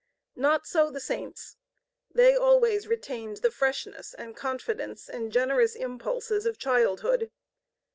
Not so the Saints. They always retained the freshness and confidence and generous impulses of childhood.